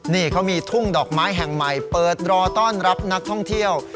นี่เขามีทุ่งดอกไม้แห่งใหม่เปิดรอต้อนรับนักท่องเที่ยว